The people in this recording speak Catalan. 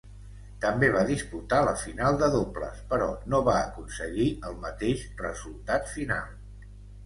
També va disputar la final de dobles però no va aconseguir el mateix resultat final.